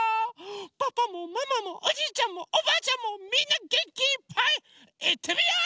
パパもママもおじいちゃんもおばあちゃんもみんなげんきいっぱいいってみよう！